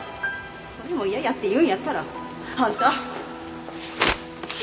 それも嫌やって言うんやったらあんた死になさいよ